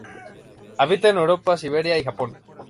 Habita en Europa, Siberia y Japón.